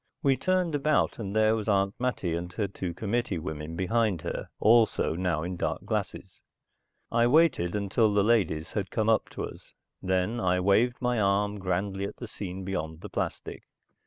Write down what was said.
We turned about and there was Aunt Mattie and her two committee women behind her also now in dark glasses. I waited until the ladies had come up to us, then I waved my arm grandly at the scene beyond the plastic.